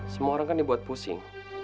semua orang kan dibuat pusing